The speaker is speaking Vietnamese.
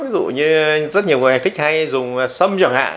ví dụ như rất nhiều người thích hay dùng xâm chẳng hạn